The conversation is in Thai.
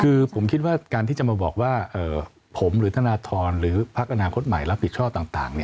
คือผมคิดว่าการที่จะมาบอกว่าผมหรือธนทรหรือพักอนาคตใหม่รับผิดชอบต่าง